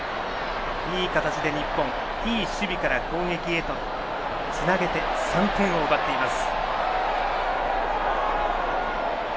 いい形で日本、いい守備から攻撃へとつなげて３点を奪っています。